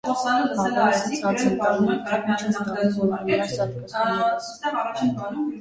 Հավերս ինձ հաց են տալի, դո՞ւ ինչ ես տալի, որ հըլա սատկացնում էլ ես: